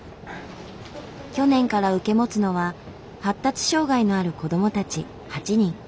去年から受け持つのは発達障害のある子どもたち８人。